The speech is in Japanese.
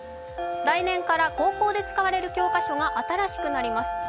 来年から高校で使われる教科書が新しくなります。